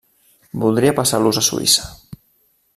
Voldria passar-los a Suïssa.